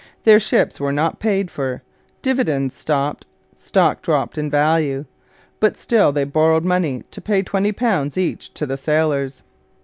Their ships were not paid for; dividends stopped; stock dropped in value. But still they borrowed money to pay £20 each to the sailors.